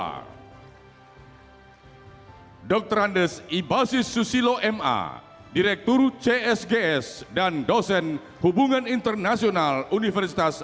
hai dr andes ibasis susilo ma direktur csgs dan dosen hubungan internasional universitas